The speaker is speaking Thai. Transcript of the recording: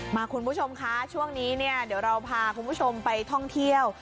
คุณผู้ชมคะช่วงนี้เนี่ยเดี๋ยวเราพาคุณผู้ชมไปท่องเที่ยว